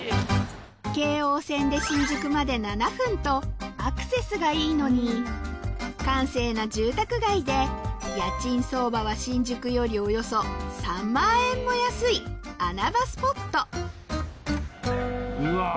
京王線でアクセスがいいのに閑静な住宅街で家賃相場は新宿よりおよそ３万円も安い穴場スポットうわ！